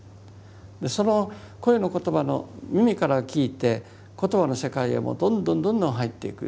その声の言葉の耳から聞いて言葉の世界へもうどんどんどんどん入っていく。